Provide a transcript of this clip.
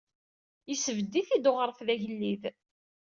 Yesbedd-it-id uɣref d agellid.